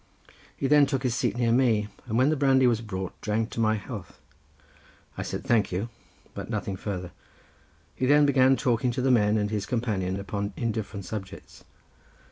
He then took his seat near me, and when the brandy was brought drank to my health. I said thank you: but nothing farther. He then began talking to the men and his companion upon indifferent subjects.